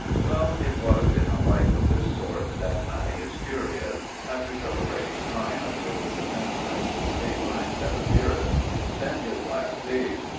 Well, it was in a life of this sort that Manius Curius, after celebrating triumphs over the Samnites, the Sabines, and Pyrrhus, spent his last days.